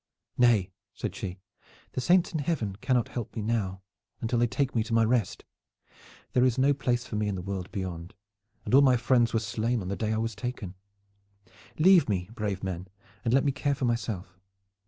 "Nay," said she, "the saints in Heaven cannot help me now until they take me to my rest. There is no place for me in the world beyond, and all my friends were slain on the day I was taken. Leave me, brave men, and let me care for myself.